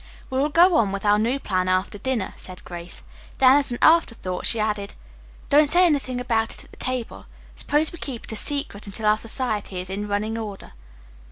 "We will go on with our new plan after dinner," said Grace. Then as an afterthought she added: "Don't say anything about it at the table. Suppose we keep it a secret until our society is in running order?"